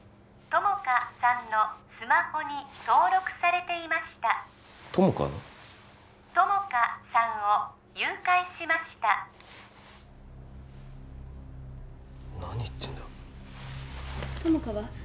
友果さんのスマホに登録されていました友果の友果さんを誘拐しました何言ってんだよ友果は？